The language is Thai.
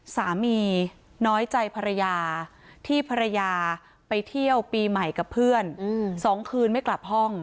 สามีน้อยใจภรรยาที่ภรรยาไปเที่ยวปีใหม่กับเพื่อน๒คืนไม่กลับห้อง